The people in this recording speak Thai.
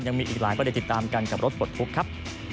ยังมีอีกหลายประเด็นติดตามกันกับรถปลดทุกข์ครับ